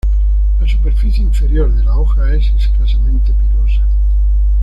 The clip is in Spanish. La superficie inferior de la hoja es escasamente pilosa.